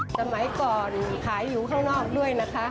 สมัยก่อนขายอยู่ข้างนอกด้วยนะคะ